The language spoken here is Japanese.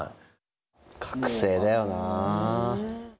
覚醒だよなあ。